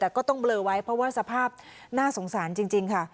แต่ก็ต้องเบลอไว้เพราะว่าสภาพน่าสงสารจริงค่ะ